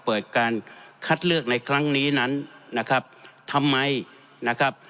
เปิดการคัดเลือกในครั้งนี้นั้นนะครับทำไมนะครับ